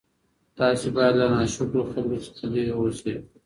تاسي باید له ناشکرو خلکو څخه لیري اوسئ.